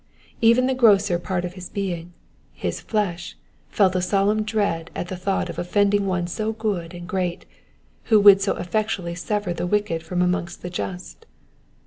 Even the grosser part of his being, — his flesh, felt a solemn dread at the thought of offending one so good and great, who would so effectually sever the wicked from among the just.